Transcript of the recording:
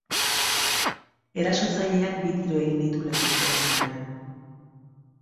Erasotzaileak bi tiro egin ditu, lekukoen arabera.